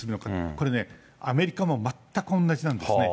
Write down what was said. これね、アメリカも全く同じなんですね。